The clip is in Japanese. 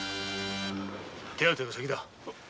手当てが先だ。